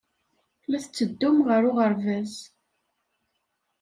La tetteddum ɣer ubaraz.